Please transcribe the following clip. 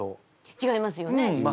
違いますよね？